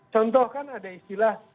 contoh kan ada istilah